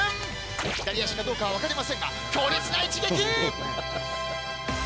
左足かどうかは分かりませんが強烈な一撃！